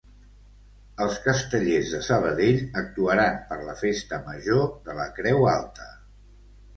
Els Castellers de Sabadell actuaran per la Festa Major de la Creu Alta